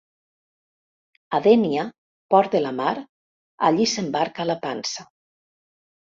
A Dénia, port de la mar, allí s’embarca la pansa.